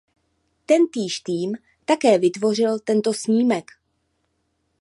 Tentýž tým také vytvořil tento snímek.